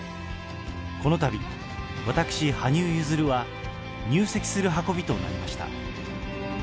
このたび、私、羽生結弦は入籍する運びとなりました。